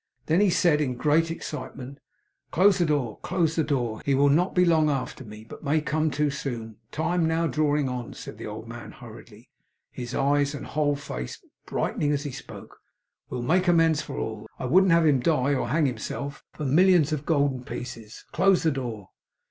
Then he said, in great excitement: 'Close the door, close the door. He will not be long after me, but may come too soon. The time now drawing on,' said the old man, hurriedly his eyes and whole face brightening as he spoke 'will make amends for all. I wouldn't have him die or hang himself, for millions of golden pieces! Close the door!